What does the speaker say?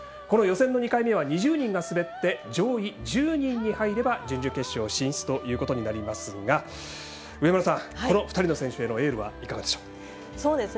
この予選の２回目は２０人が滑って上位１０人に、入れば準々決勝進出ということになりますが上村さん、この２人の選手へのエールはいかがでしょう？